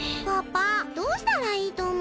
パパどうしたらいいとおもう？